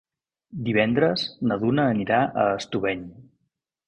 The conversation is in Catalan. Divendres na Duna anirà a Estubeny.